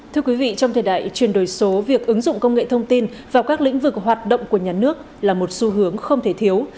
thưa quý vị trong thời đại truyền đổi số việc ứng dụng công nghệ thông tin vào các lĩnh vực hoạt động của nhà nước là một xu hướng không thể thiếu